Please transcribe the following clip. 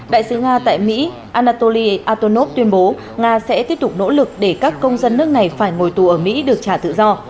đại sứ nga tại mỹ anatoly atonov tuyên bố nga sẽ tiếp tục nỗ lực để các công dân nước này phải ngồi tù ở mỹ được trả tự do